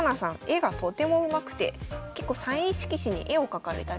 絵がとてもうまくて結構サイン色紙に絵を描かれたり。